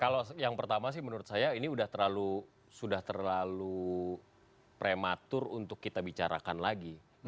kalau yang pertama sih menurut saya ini sudah terlalu prematur untuk kita bicarakan lagi